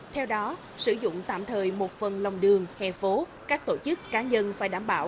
theo đó sử dụng tạm thời một phần lòng đường hè phố các tổ chức cá nhân phải đảm bảo